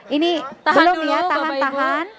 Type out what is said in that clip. ini hanum ya tahan tahan